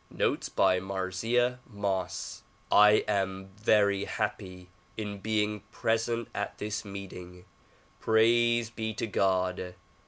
Notes by Marzieh Moss I AM very happy in being present at this meeting. Praise be to God